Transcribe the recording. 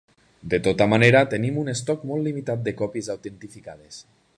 De tota manera tenim un estoc molt limitat de còpies autentificades.